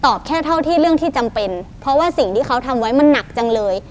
แค่เท่าที่เรื่องที่จำเป็นเพราะว่าสิ่งที่เขาทำไว้มันหนักจังเลย